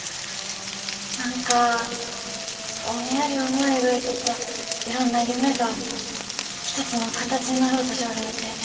何かぼんやり思い描いとったいろんな夢が一つの形になろうとしょおるみてえで。